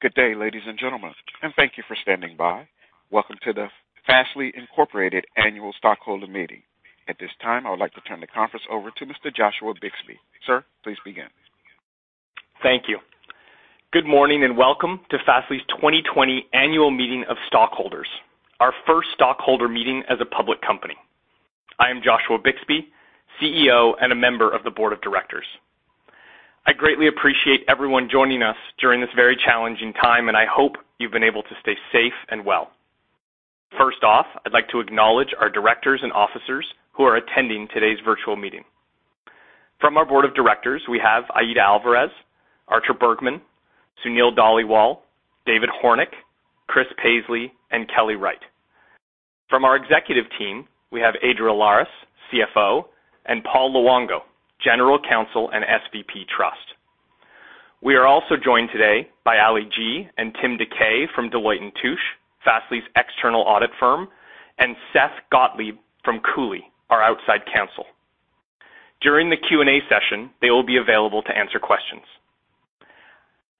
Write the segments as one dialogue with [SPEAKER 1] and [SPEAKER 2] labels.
[SPEAKER 1] Good day, ladies and gentlemen. Thank you for standing by. Welcome to the Fastly, Inc. annual stockholder meeting. At this time, I would like to turn the conference over to Mr. Joshua Bixby. Sir, please begin.
[SPEAKER 2] Thank you. Good morning and welcome to Fastly's 2020 annual meeting of stockholders, our first stockholder meeting as a public company. I am Joshua Bixby, CEO, and a member of the board of directors. I greatly appreciate everyone joining us during this very challenging time, and I hope you've been able to stay safe and well. First off, I'd like to acknowledge our directors and officers who are attending today's virtual meeting. From our board of directors, we have Aida Alvarez, Artur Bergman, Sunil Dhaliwal, David Hornik, Chris Paisley, and Kelly Wright. From our executive team, we have Adriel Lares, CFO, and Paul Luongo, General Counsel and SVP Trust. We are also joined today by Ali Gee and Tim de Kay from Deloitte & Touche, Fastly's external audit firm, and Seth Gottlieb from Cooley, our outside counsel. During the Q&A session, they will be available to answer questions.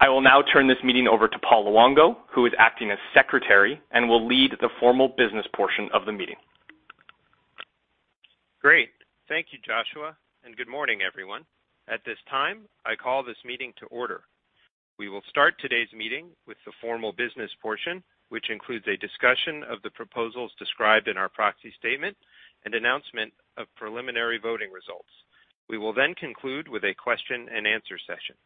[SPEAKER 2] I will now turn this meeting over to Paul Luongo, who is acting as secretary and will lead the formal business portion of the meeting.
[SPEAKER 3] Great. Thank you, Joshua, and good morning, everyone. At this time, I call this meeting to order. We will start today's meeting with the formal business portion, which includes a discussion of the proposals described in our proxy statement and announcement of preliminary voting results. We will then conclude with a question and answer session.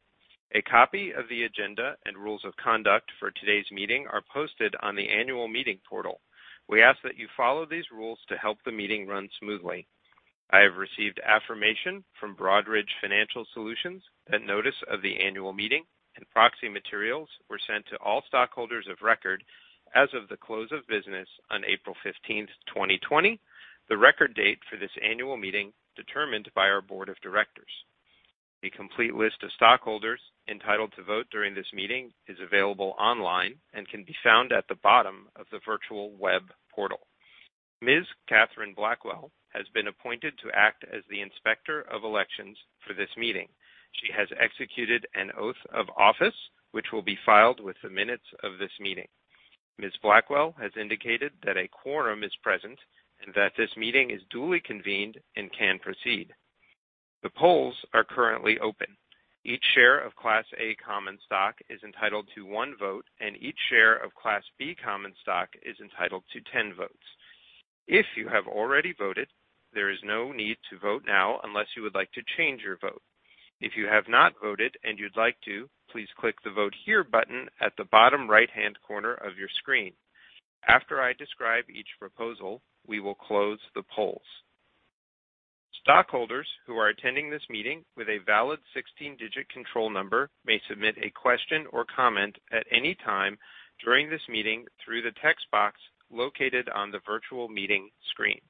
[SPEAKER 3] A copy of the agenda and rules of conduct for today's meeting are posted on the annual meeting portal. We ask that you follow these rules to help the meeting run smoothly. I have received affirmation from Broadridge Financial Solutions that notice of the annual meeting and proxy materials were sent to all stockholders of record as of the close of business on April 15th, 2020, the record date for this annual meeting determined by our board of directors. A complete list of stockholders entitled to vote during this meeting is available online and can be found at the bottom of the virtual web portal. Ms. Katherine Blackwell has been appointed to act as the Inspector of Elections for this meeting. She has executed an oath of office, which will be filed with the minutes of this meeting. Ms. Blackwell has indicated that a quorum is present and that this meeting is duly convened and can proceed. The polls are currently open. Each share of Class A common stock is entitled to one vote, and each share of Class B common stock is entitled to 10 votes. If you have already voted, there is no need to vote now unless you would like to change your vote. If you have not voted and you'd like to, please click the Vote Here button at the bottom right-hand corner of your screen. After I describe each proposal, we will close the polls. Stockholders who are attending this meeting with a valid 16-digit control number may submit a question or comment at any time during this meeting through the text box located on the virtual meeting screen.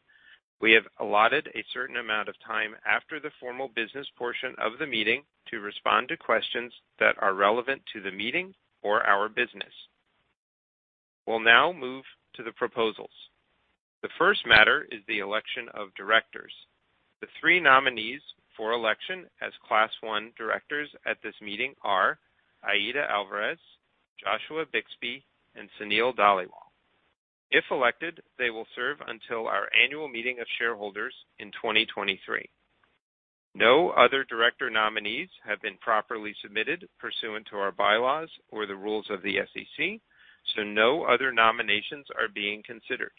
[SPEAKER 3] We have allotted a certain amount of time after the formal business portion of the meeting to respond to questions that are relevant to the meeting or our business. We'll now move to the proposals. The first matter is the election of directors. The three nominees for election as Class I directors at this meeting are Aida Alvarez, Joshua Bixby, and Sunil Dhaliwal. If elected, they will serve until our annual meeting of shareholders in 2023. No other director nominees have been properly submitted pursuant to our bylaws or the rules of the SEC, no other nominations are being considered.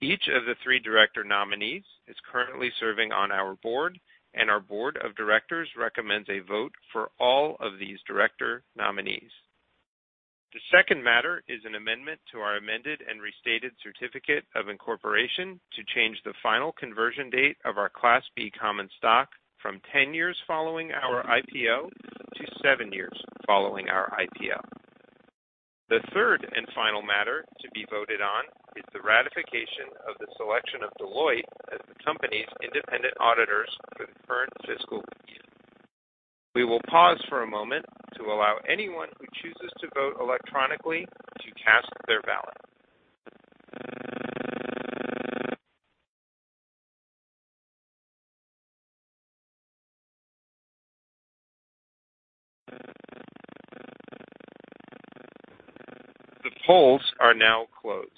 [SPEAKER 3] Each of the three director nominees is currently serving on our board, and our board of directors recommends a vote for all of these director nominees. The second matter is an amendment to our amended and restated certificate of incorporation to change the final conversion date of our Class B common stock from 10 years following our IPO to seven years following our IPO. The third and final matter to be voted on is the ratification of the selection of Deloitte as the company's independent auditors for the current fiscal year. We will pause for a moment to allow anyone who chooses to vote electronically to cast their ballot. The polls are now closed.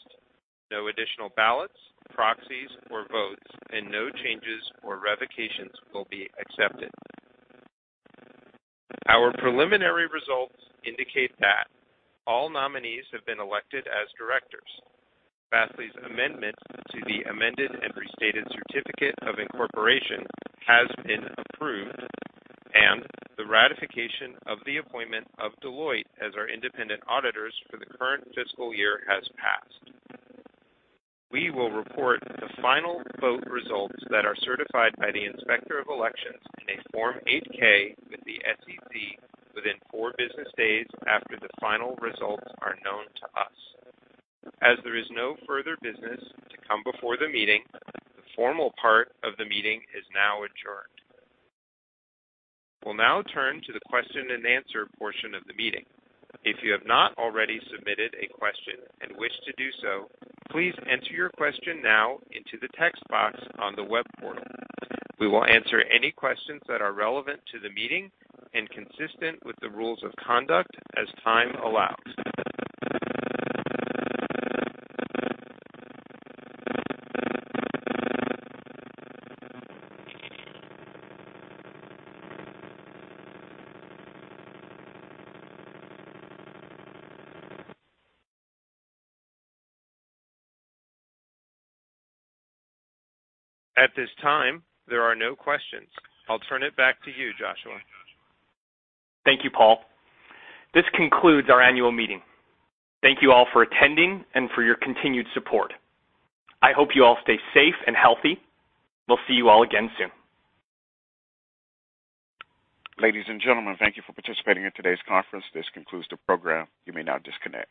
[SPEAKER 3] No additional ballots, proxies, or votes, and no changes or revocations will be accepted. Our preliminary results indicate that all nominees have been elected as directors. Fastly's amendment to the amended and restated certificate of incorporation has been approved, and the ratification of the appointment of Deloitte as our independent auditors for the current fiscal year has passed. We will report the final vote results that are certified by the Inspector of Elections in a Form 8-K with the SEC within four business days after the final results are known to us. As there is no further business to come before the meeting, the formal part of the meeting is now adjourned. We'll now turn to the question and answer portion of the meeting. If you have not already submitted a question and wish to do so, please enter your question now into the text box on the web portal. We will answer any questions that are relevant to the meeting and consistent with the rules of conduct as time allows. At this time, there are no questions. I'll turn it back to you, Joshua.
[SPEAKER 2] Thank you, Paul. This concludes our annual meeting. Thank you all for attending and for your continued support. I hope you all stay safe and healthy. We'll see you all again soon.
[SPEAKER 1] Ladies and gentlemen, thank you for participating in today's conference. This concludes the program. You may now disconnect.